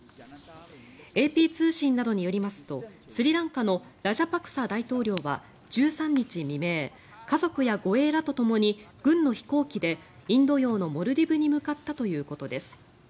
ＡＰ通信などによりますとスリランカのラジャパクサ大統領は１３日未明家族や護衛らとともに軍の飛行機でインド洋のモルディブに向かったということです。